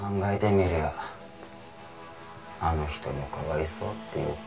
みりゃあの人もかわいそうっていうか」